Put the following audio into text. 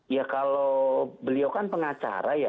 ya kalau beliau kan pengacara ya